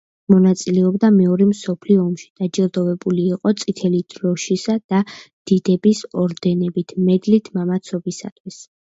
მონაწილეობდა მეორე მსოფლიო ომში, დაჯილდოვებული იყო წითელი დროშისა და დიდების ორდენებით, მედლით „მამაცობისათვის“.